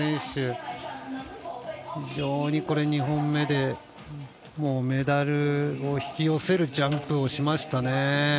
非常に２本目でもうメダルを引き寄せるジャンプをしましたね。